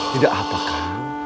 tidak apa kak